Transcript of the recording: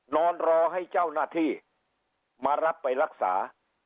นอนรอให้เจ้าหน้าที่มารับไปรักษา